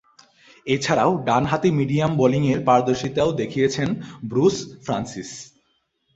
এছাড়াও, ডানহাতি মিডিয়াম বোলিংয়ে পারদর্শীতা দেখিয়েছেন ব্রুস ফ্রান্সিস।